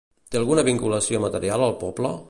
Té alguna vinculació material al poble?